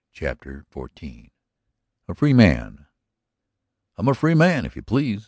CHAPTER XIV A FREE MAN "I am a free man, if you please."